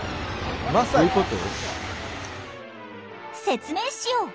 説明しよう。